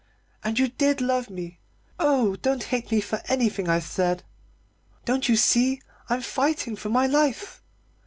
And you did love me oh, don't hate me for anything I've said. Don't you see I'm fighting for my life?